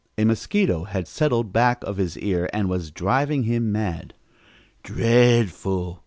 A mosquito had settled back of his ear and was driving him mad. "Dreadful!"